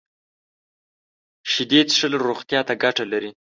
شیدې څښل روغتیا ته ګټه لري